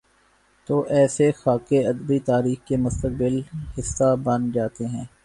توایسے خاکے ادبی تاریخ کا مستقل حصہ بن جا تے ہیں۔